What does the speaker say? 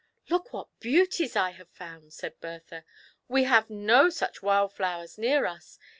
" Look what beauties I have found !" said Bertha ;" we have no such wild flowers near us.